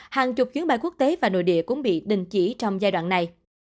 hàng chục chuyến bay quốc tế và nội địa cũng bị đình chỉ trong giai đoạn này